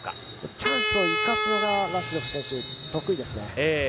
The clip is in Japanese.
チャンスを生かすのがラシドフ選手、得意ですね。